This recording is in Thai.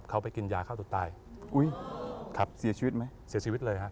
เขาไปกินยาขาวถุดตายเสียชีวิตเลยนะครับ